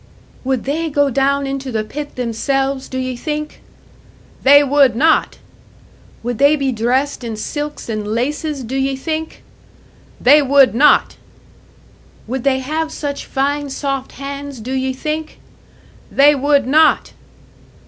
"Would they go down into the pit themselves, do ye think?" "They would not!" "Would they be dressed in silks and laces, do ye think?" "They would not!" "Would they have such fine soft hands, do ye think?" "They would not!"